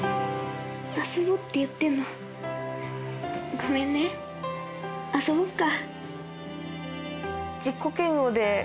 ごめんね遊ぼっか。